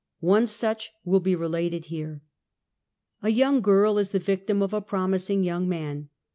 One such will be related here : A young girl is the victim of a promising young man.